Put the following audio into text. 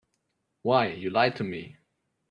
Why, you lied to me.